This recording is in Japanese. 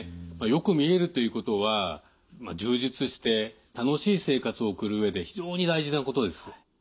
よく見えるということは充実して楽しい生活を送る上で非常に大事なことです。